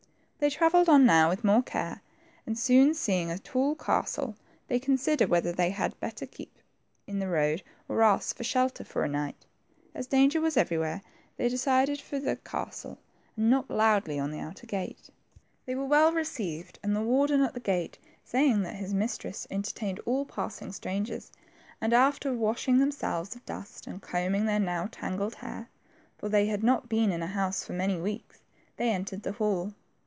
• They travelled on now with more care, and soon seeing a tall castle, they considered whether they had better keep in the road, or ask for shelter for a night. As danger was everywhere, they decided for the THE TWO FRINGES. 83 , castle, and knocked loudly at the outer gate. They were well received, the warden at the gate saying that his mistresses entertained all passing strangers, and after washing themselves of dust and combing their now tangled hair, for they had not been in a house for^ many weeks, they entered the hall.